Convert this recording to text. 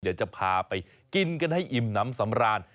เดี๋ยวจะพาไปกินกันให้อิ่มน้ำสำราญ